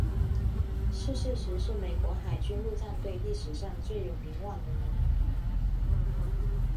逝世时是美国海军陆战队历史上最有名望的人。